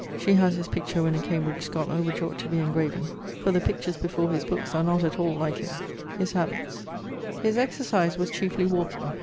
She has his picture when a Cambridge schollar, which ought to be engraven; for the pictures before his bookes are not at all like him. <_His habits._> His exercise was chiefly walking.